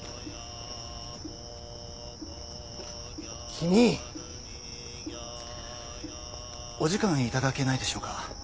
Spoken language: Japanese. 君！お時間頂けないでしょうか？